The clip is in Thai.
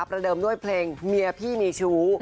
เดิมด้วยเพลงเมียพี่มีชู้